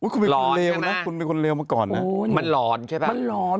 คุณเป็นคนเลวนะคุณเป็นคนเลวมาก่อนนะมันหลอนใช่ไหมมันร้อน